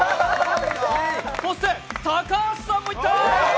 そして高橋さんもいった！